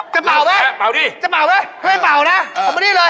จะเป่าไหมแบบนี้เลย